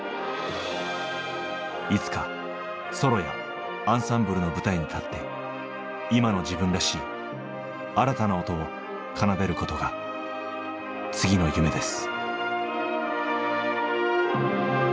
いつかソロやアンサンブルの舞台に立って今の自分らしい新たな音を奏でることが次の夢です。